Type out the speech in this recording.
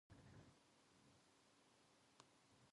メロスには父も、母も無い。